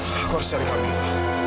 aku harus cari kamila